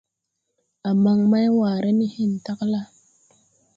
A man maywaare de hen tagla.